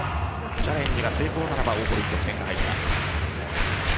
チャレンジが成功なら大堀に点が入ります。